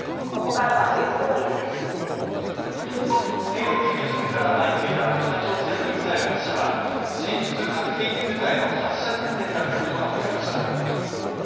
先月下旬から相次いだ北朝鮮のミサイル発射は戦術核兵器部隊の発射訓練だったことが分かりました。